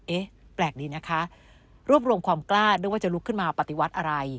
แปลกดีนะคะรวบรวมความกล้าด้วยว่าจะลุกขึ้นมาปฏิวัติอะไร